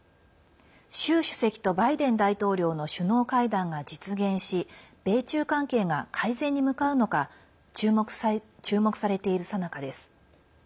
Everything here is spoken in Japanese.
習主席とバイデン大統領の首脳会談が実現し米中関係が改善に向かうのか注目されているさなかです。